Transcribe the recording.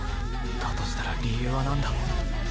だとしたら理由はなんだ。